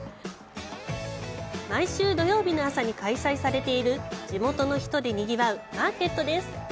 毎週土曜日の朝に開催されている地元の人でにぎわうマーケットです。